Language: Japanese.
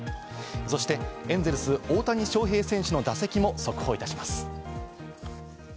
そしてエンゼルス・大谷翔平選手の打席も速報いたします。